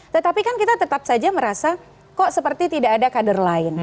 tetapi kan kita tetap saja merasa kok seperti tidak ada kader lain